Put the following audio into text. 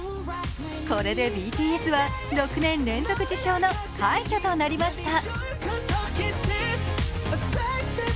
これでＢＴＳは６年連続受賞の快挙となりました。